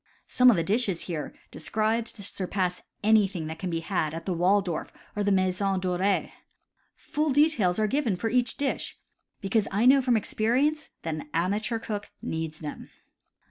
Some of the dishes here described surpass anything that can be had at the Waldorf or the Maison Doree. Full details are given for each dish, because I know from experience that an amateur cook needs them.